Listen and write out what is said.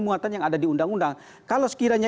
muatan yang ada di undang undang kalau sekiranya